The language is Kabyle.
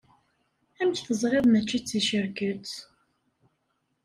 Amek teẓriḍ mačči d ticerket?